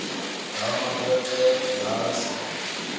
دغه ماموریت ته ولاړه شم.